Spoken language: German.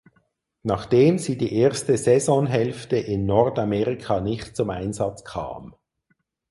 Nachdem sie die erste Saisonhälfte in Nordamerika nicht zum Einsatz kam.